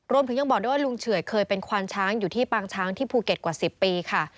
ยังบอกด้วยว่าลุงเฉื่อยเคยเป็นควานช้างอยู่ที่ปางช้างที่ภูเก็ตกว่า๑๐ปีค่ะ